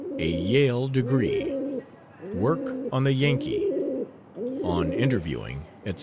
A YALE DEGREE. WORK ON "THE YANKEE." ON INTERVIEWING, ETC.